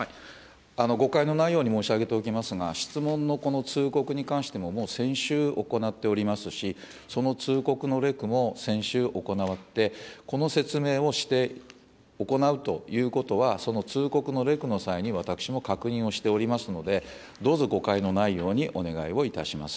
誤解のないように申し上げておきますが、質問のこの通告に関しても、もう先週行っておりますし、その通告のレクも先週行って、この説明をして、行うということは、その通告のレクの際に、私も確認をしておりますので、どうぞ誤解のないようにお願いをいたします。